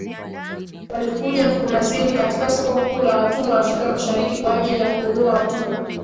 Walikuja mkunazini katika soko kuu la watumwa Afrika mashiriki kwaajili ya kununua watumwa